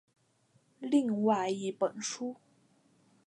另外一本书。